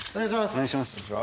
お願いします。